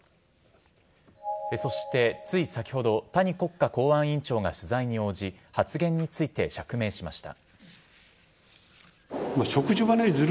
そして、つい先ほど谷国家公安委員長が取材に応じ発言について釈明しました。